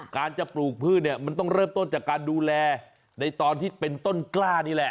การจะปลูกพืชเนี่ยมันต้องเริ่มต้นจากการดูแลในตอนที่เป็นต้นกล้านี่แหละ